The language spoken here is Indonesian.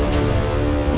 aku akan menangkapmu